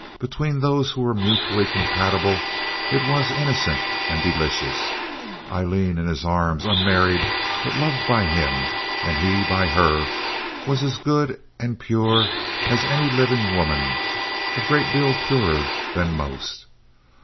Between those who were mutually compatible it was innocent and delicious. Aileen in his arms, unmarried, but loved by him, and he by her, was as good and pure as any living woman—a great deal purer than most.